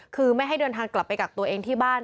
คือไม่ให้เดินทางกลับไปกักตัวเองที่บ้าน